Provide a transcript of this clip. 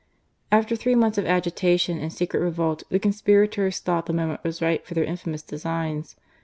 After three months of agitation and secret revolt, the conspirators thought the iQoment was ripe for their infamoiis designs.